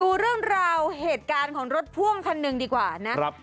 ดูเรื่องราวเหตุการณ์ของรถพ่วงคันหนึ่งดีกว่านะครับ